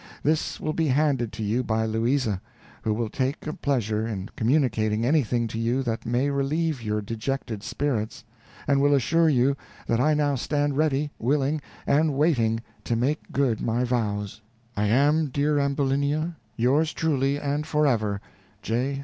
This will be handed to you by Louisa, who will take a pleasure in communicating anything to you that may relieve your dejected spirits, and will assure you that I now stand ready, willing, and waiting to make good my vows. I am, dear Ambulinia, yours truly, and forever, J.